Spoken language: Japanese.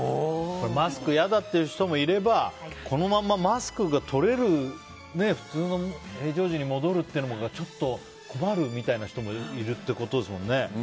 マスク嫌だっていう人もいればこのままマスクが取れる普通の平常時に戻るというのがちょっと困るみたいな人もいるってことですもんね。